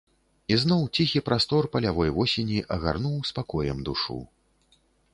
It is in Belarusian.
І зноў ціхі прастор палявой восені агарнуў спакоем душу.